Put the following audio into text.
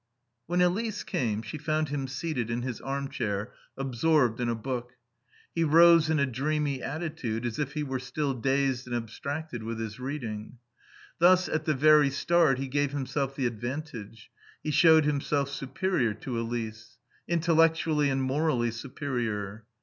When Elise came she found him seated in his armchair absorbed in a book. He rose in a dreamy attitude, as if he were still dazed and abstracted with his reading. Thus, at the very start, he gave himself the advantage; he showed himself superior to Elise. Intellectually and morally superior.